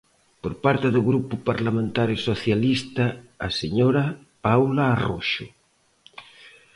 Por parte do Grupo Parlamentario Socialista, a señora Paulo Arroxo.